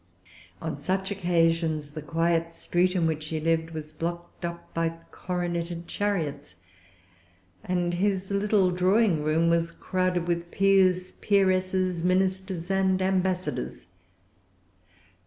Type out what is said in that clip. On such occasions the quiet street in which he lived was blocked up by coroneted chariots, and his little drawing room was crowded with peers, peeresses, ministers, and ambassadors.